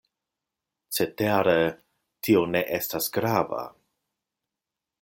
Cetere tio ne estas grava.